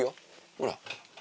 ほら。